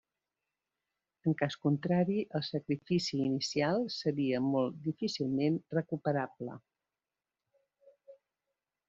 En cas contrari el sacrifici inicial seria molt difícilment recuperable.